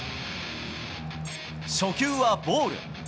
初球はボール。